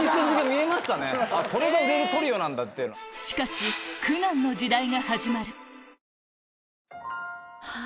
しかし苦難の時代が始まるわぁ！